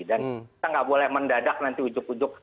dan kita nggak boleh mendadak nanti ujuk ujuk